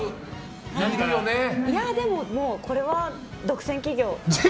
でも、もうこれは独占企業。